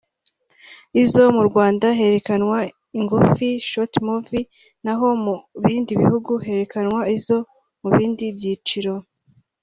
Izo mu Rwanda herekanwe ingufi [short movies] naho mu bindi bihugu herekanwe izo mu bindi byiciro